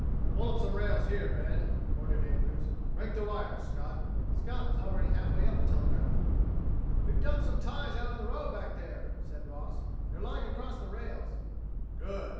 "Pull up some rails here, men," ordered Andrews. "Break the wires, Scott." Scott was already halfway up a telegraph pole. "We dumped some ties out on the road back there," said Ross. "They're lying across the rails." "Good!"